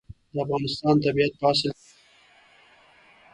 د افغانستان طبیعت په اصل کې له کابل څخه جوړ دی.